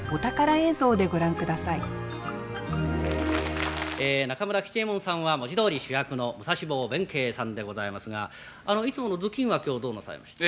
え中村吉右衛門さんは文字どおり主役の武蔵坊弁慶さんでございますがいつもの頭巾は今日どうなさいました？